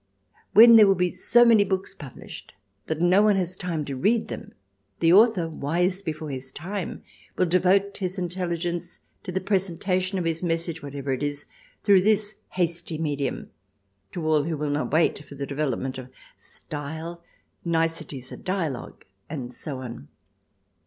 When there will be so many books published that no one has time to read them, the author, wise before his time, will devote his intelligence to the presentation of his message, whatever it is, through this hasty medium, to all who will not wait for the development of style, niceties of dialogue, and so on.